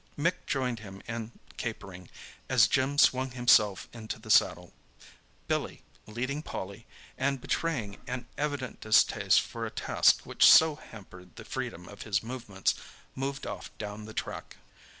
Mick joined him in capering, as Jim swung himself into the saddle. Billy, leading Polly, and betraying an evident distaste for a task which so hampered the freedom of his movements, moved off down the track.